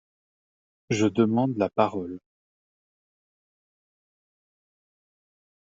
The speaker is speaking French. Je demande la parole